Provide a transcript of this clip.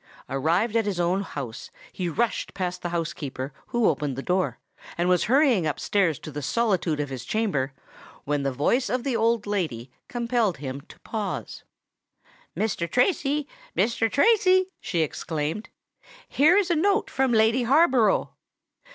Arrived at his own house, he rushed past the housekeeper who opened the door, and was hurrying up stairs to the solitude of his chamber, when the voice of the old lady compelled him to pause. "Mr. Tracy—Mr. Tracy," she exclaimed; "here is a note from Lady Harborough."